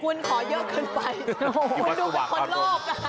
คุณขอเยอะเกินไปดูเป็นคนลอบนะฮะ